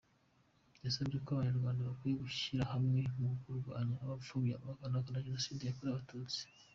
Yasabye ko Abanyarwanda bakwiye gushyirahamwe mu kurwanya abapfobya n’abahakana Jenoside yakorewe Abatutsi.